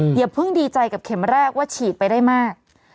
อย่าเพิ่งดีใจกับเข็มแรกว่าฉีดไปได้มาก